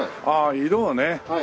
ああ色をね。